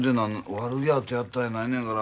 悪気あってやったんやないねやから。